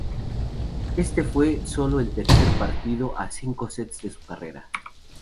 Este fue solo el tercer partido a cinco sets de su carrera.